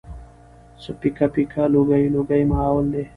څه پيکه پيکه لوګی لوګی ماحول دی